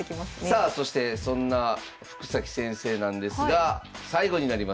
さあそしてそんな福崎先生なんですが最後になります。